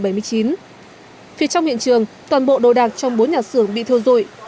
phía trong hiện trường toàn bộ đồ đạc trong bốn nhà xưởng bị thiêu dụi